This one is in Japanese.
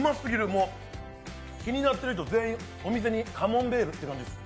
もう気になってる人、全員お店にカモンベールです。